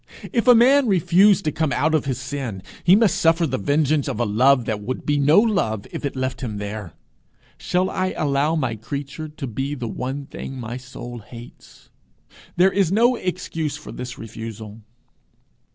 If a man refuse to come out of his sin, he must suffer the vengeance of a love that would be no love if it left him there. Shall I allow my creature to be the thing my soul hates?' There is no excuse for this refusal.